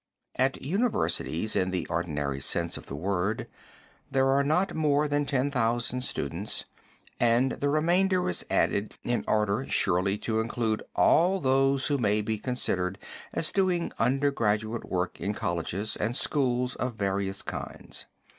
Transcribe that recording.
At universities in the ordinary sense of the word there are not more than ten thousand students and the remainder is added in order surely to include all those who may be considered as doing undergraduate work in colleges and schools of various kinds.